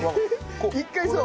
一回そう。